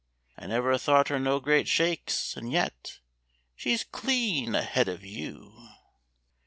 I never thought her no great shakes, and yet She's clean ahead of you."